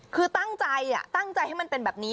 คือตั้งใจตั้งใจให้มันเป็นแบบนี้